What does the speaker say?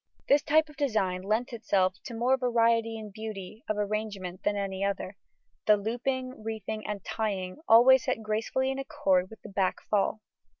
This type of design lent itself to more variety in beauty of arrangement than any other; the looping, reefing, and tying always set gracefully in accord with the back fall.